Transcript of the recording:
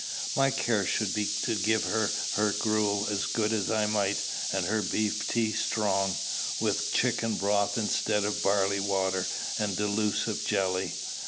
My care should be to give her her gruel as good as I might, and her beef tea strong, with chicken broth instead of barley water and delusive jelly.